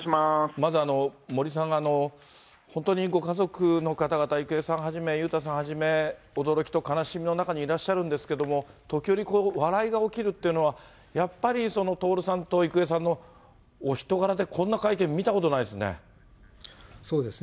まず、森さん、本当にご家族の方々、郁恵さんはじめ、裕太さんはじめ、驚きと悲しみの中にいらっしゃるんですけれども、時折こう、笑いが起きるというのは、やっぱり徹さんと郁恵さんのお人柄で、こんな会見、見たことないですね。